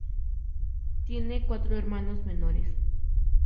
Tiene cuatro hermanos menores.